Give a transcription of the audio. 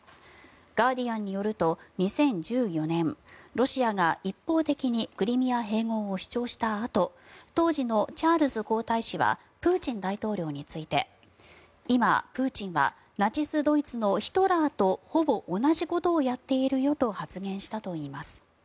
ガーディアンによると２０１４年ロシアが一方的にクリミア併合を主張したあと当時のチャールズ皇太子はプーチン大統領について今、プーチンはナチス・ドイツのヒトラーとほぼ同じことをやっているよと発言したといいます。